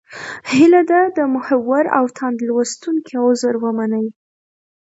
هیله ده د محور او تاند لوستونکي عذر ومني.